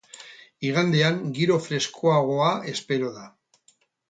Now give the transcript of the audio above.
Igandean giro freskoagoa espero da.